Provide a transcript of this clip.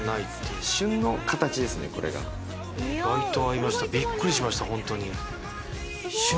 意外と合いましたびっくりしましたホントに。